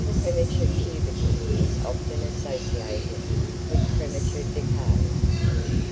Premature puberty is often associated with premature decay.